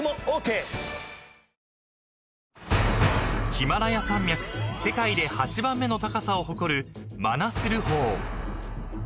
［ヒマラヤ山脈世界で８番目の高さを誇るマナスル峰］